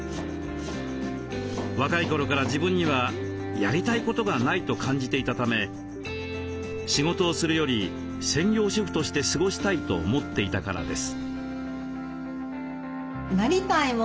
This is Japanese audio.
若い頃から自分には「やりたいことがない」と感じていたため仕事をするより専業主婦として過ごしたいと思っていたからです。